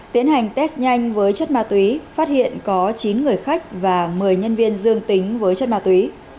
tiến hành test nhanh với chất ma túy phát hiện có chín người khách và một mươi nhân viên dương tính với chất ma túy